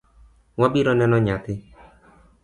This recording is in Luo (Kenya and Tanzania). Wabiro neno nyathi.